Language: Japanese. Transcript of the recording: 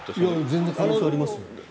全然可能性ありますよね。